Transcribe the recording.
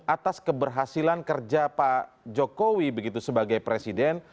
atas keberhasilan kerja pak jokowi begitu sebagai presiden